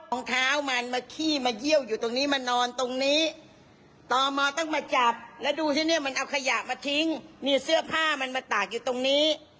เท้ามันมาขี้มาเยี่ยวอยู่ตรงนี้มานอนตรงนี้ต่อมอต้องมาจับแล้วดูที่เนี่ยมันเอาขยะมาทิ้งนี่เสื้อผ้ามันมาตากอยู่ตรงนี้